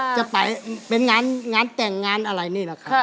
จะไปเป็นงานแต่งงานอะไรนี่แหละครับ